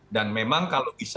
dan memang kalau bisa